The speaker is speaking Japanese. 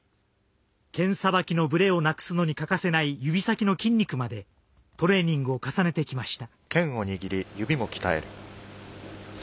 剣さばきのぶれをなくすのに欠かせない指先の筋肉までトレーニングを重ねてきました。